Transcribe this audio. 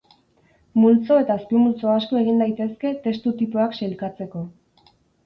Multzo eta azpimultzo asko egin daitezke testu tipoak sailkatzeko.